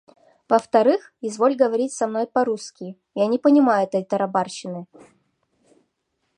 Во-вторых, изволь говорить со мной по-русски, я не понимаю этой тарабарщины.